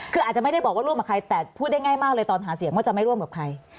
คืออาจจะไม่ได้บอกว่าร่วมกับใครแต่พูดได้ง่ายมากเลยตอนหาเสียงว่าจะไม่ร่วมกับใคร